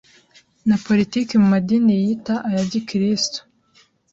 na politiki mu madini yiyita aya gikristo